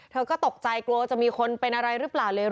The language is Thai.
เธอก็ตกใจกลัวจะมีคนเป็นอะไรหรือเปล่าเลย